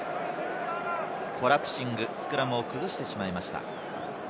コラプシング、スクラムを崩してしまいました。